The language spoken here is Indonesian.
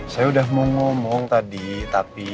saya udah mau ngomong tadi tapi